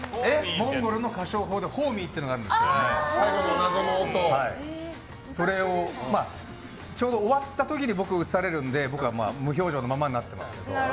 モンゴルの歌唱法でホーミーっていうのがあるんですけどそれをちょうど終わった時に僕、映されるので無表情のままになってますけど。